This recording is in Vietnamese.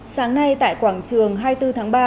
sáng nay tại quảng trường hai mươi bốn tháng ba